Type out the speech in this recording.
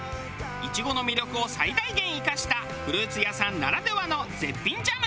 イチゴの魅力を最大限生かしたフルーツ屋さんならではの絶品ジャム。